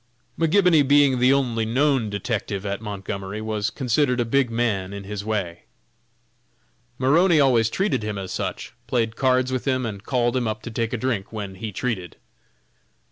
McGibony being the only known detective at Montgomery, was considered a big man in his way. Maroney always treated him as such, played cards with him and called him up to take a drink when he treated.